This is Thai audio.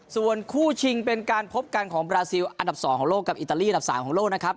ส่วนคู่ชิงเป็นการพบกันของบราซิลอันดับ๒ของโลกกับอิตาลีอันดับ๓ของโลกนะครับ